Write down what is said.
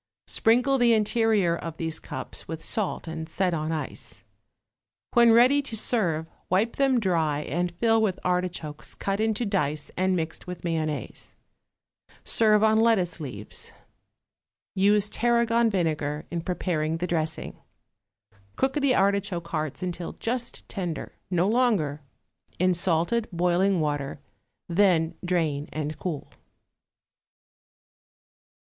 Sprinkle the interior of these cups with salt and set on ice. When ready to serve, wipe them dry and fill with artichokes cut into dice and mixed with mayonnaise. Serve on lettuce leaves. Use tarragon vinegar in preparing the dressing. Cook the artichoke hearts until just tender, no longer, in salted boiling water, then drain and cool.